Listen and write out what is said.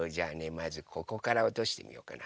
まずここからおとしてみようかな。